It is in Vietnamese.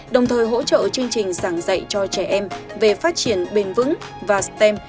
đồng thời hỗ trợ chương trình giảng dạy cho trẻ em về phát triển bền vững và stem